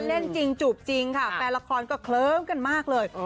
เล่นจริงจูบจริงค่ะแฟนละครก็เคลิ้มกันมากเลย